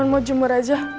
cuma mau jemur aja